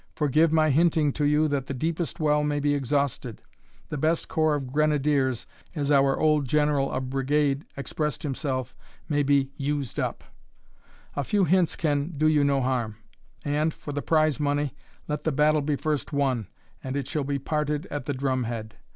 Forgive my hinting to you, that the deepest well may be exhausted, the best corps of grenadiers, as our old general of brigade expressed himself, may be used up. A few hints can do you no harm; and, for the prize money, let the battle be first won, and it shall be parted at the drum head.